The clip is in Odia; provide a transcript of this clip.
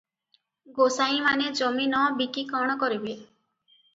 ଗୋସାଇଁମାନେ ଜମି ନ ବିକି କ'ଣ କରିବେ ।